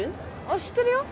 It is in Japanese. あっ知ってるよ